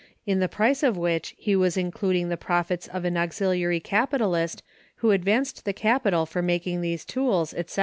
in the price of which he was including the profits of an auxiliary capitalist who advanced the capital for making these tools, etc.